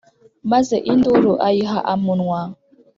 maze induru ayiha amunwa,